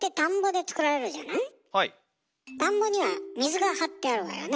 田んぼには水が張ってあるわよね？